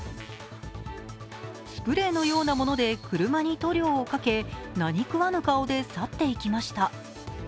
スプレーのようなもので車に塗料をかけ、何食わぬ顔で去っていきました。